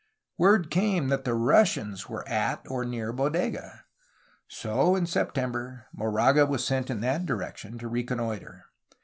Word came that the Russians were at or near Bodega. So, in September, Moraga was sent in that direction to recon noitre.